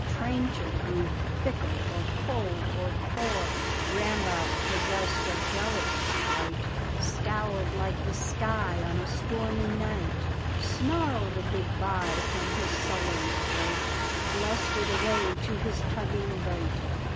Tryntje grew fickle or cold or coy; Rambout, possessed of a jealous sprite. Scowled like the ^ on a stormy night. Snarled a good bye from his sullen throat, Blustered away to his tugging boat.